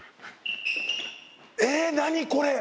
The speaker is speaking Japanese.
えぇ何これ！